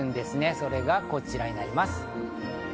それがこちらになります。